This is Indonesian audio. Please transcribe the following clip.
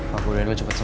masih ada yang mau bantu